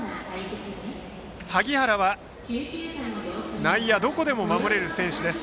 萩原は内野どこでも守れる選手です。